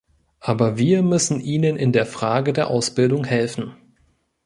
Aber wir müssen ihnen in der Frage der Ausbildung helfen.